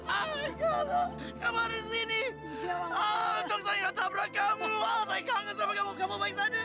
ah tolong saya gak ketabrak kamu wah saya kangen sama kamu kamu baik saja